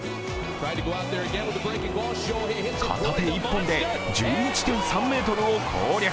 片手一本で１１．３ｍを攻略。